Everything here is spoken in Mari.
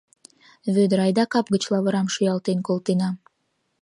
— Вӧдыр, айда кап гыч лавырам шӱялтен колтена.